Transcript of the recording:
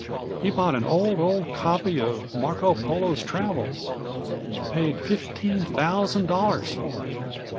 He bought an old, old copy of 'Marco Polo's Travels'; paid fifteen thousand dollars for it.